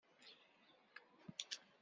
Arraw n Bariɛa: Ḥibir akked Malkiyil.